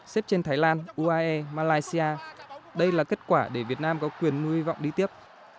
xếp trên thái lan uae malaysia đây là kết quả để việt nam có quyền nuôi hy vọng đi tiếp